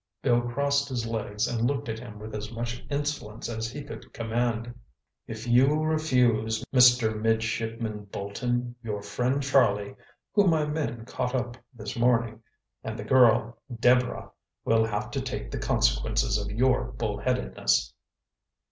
Bill crossed his legs and looked at him with as much insolence as he could command. "If you refuse, Mister Midshipman Bolton, your friend Charlie, who my men caught up this morning, and the girl, Deborah, will have to take the consequences of your bullheadedness."